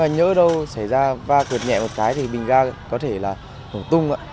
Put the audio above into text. nhớ đâu xảy ra va quyệt nhẹ một cái thì bình ga có thể là hổng tung